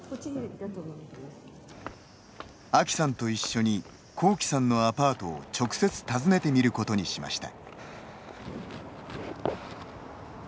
あきさんと一緒にこうきさんのアパートを直接訪ねてみることにしました。